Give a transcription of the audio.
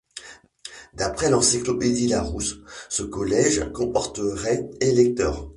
D'après l'encyclopédie Larousse, ce collège comporterait électeurs.